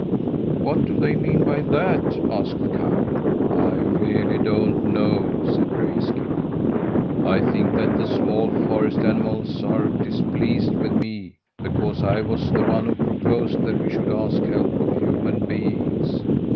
"What do they mean by that?" asked Karr. "I really don't know," said Grayskin. "I think that the small forest animals are displeased with me because I was the one who proposed that we should ask help of human beings.